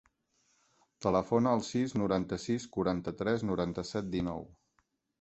Telefona al sis, noranta-sis, quaranta-tres, noranta-set, dinou.